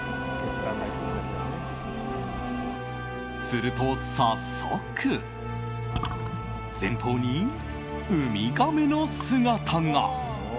すると早速前方にウミガメの姿が！